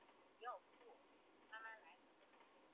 曾担任中国湖北省博物馆馆长。